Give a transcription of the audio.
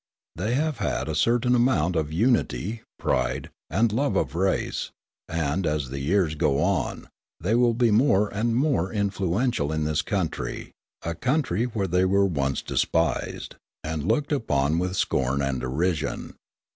They have had a certain amount of unity, pride, and love of race; and, as the years go on, they will be more and more influential in this country, a country where they were once despised, and looked upon with scorn and derision.